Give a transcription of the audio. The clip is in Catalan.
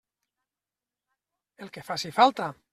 El que faci falta.